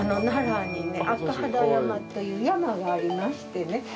奈良にね赤膚山という山がありましてね。